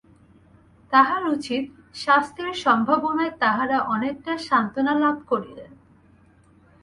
তাহার উচিত শাস্তির সম্ভাবনায় তাঁহারা অনেকটা সান্ত্বনা লাভ করিলেন।